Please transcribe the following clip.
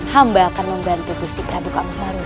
hamba akan membantu gusti prabu amuk marugul